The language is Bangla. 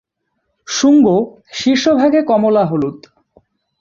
শুঙ্গ শীর্ষভাগে কমলা-হলুদ।